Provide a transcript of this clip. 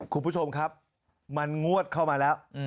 คุณผู้ชมครับมันงวดเข้ามาแล้ว